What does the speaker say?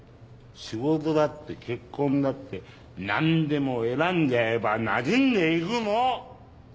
仕事だって結婚だって何でも選んじゃえばなじんで行くの！